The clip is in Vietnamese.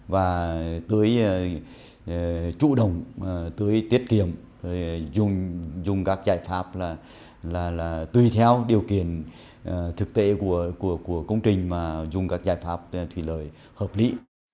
và tưới chủ động tưới tiết kiệm dùng các giải pháp là tùy theo điều kiện thực tế của công trình mà dùng các giải pháp thủy lợi hợp lý